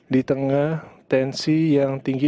di tengah tensi yang tinggi